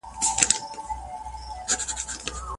پلار د خپلو بچیانو زده کړې ته ځانګړی وخت ورکوي.